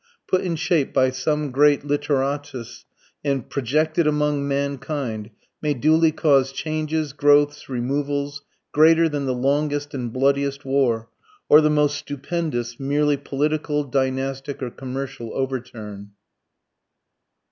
put in shape by some great literatus, and projected among mankind, may duly cause changes, growths, removals, greater than the longest and bloodiest war, or the most stupendous merely political, dynastic, or commercial overturn.